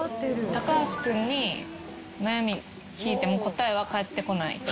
高橋君に悩み聞いても答えは返ってこないってこと？